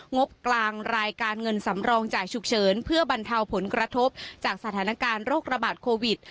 งบกลางรายการเงินสำรองจ่ายฉุกเฉินเพื่อบรรเทาผลกระทบจากสถานการณ์โรคระบาดโควิด